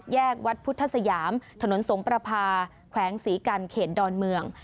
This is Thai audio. วัดพุทธสยามถนนสงประพาแขวงศรีกันเขตดอนเมือง